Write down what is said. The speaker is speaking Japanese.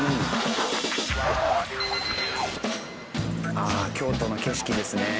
ああ京都の景色ですね。